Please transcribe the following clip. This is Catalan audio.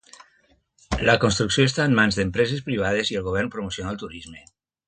La construcció està en mans d'empreses privades i el govern promociona el turisme.